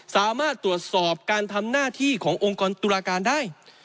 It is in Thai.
สามารถตรวจสอบการทำหน้าที่ขององค์กรตุลาการได้